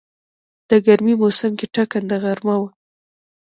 د ګرمی موسم کې ټکنده غرمه وه.